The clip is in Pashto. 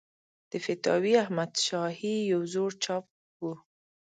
د فتاوی احمدشاهي یو زوړ چاپ و.